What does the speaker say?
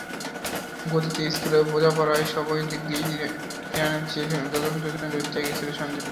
গতিতে, স্কিলে, বোঝাপড়ায়—সবদিক দিয়েই ইরানের চেয়ে যোজন যোজন দূরত্বে এগিয়ে ছিল সানজিদা-কৃষ্ণারা।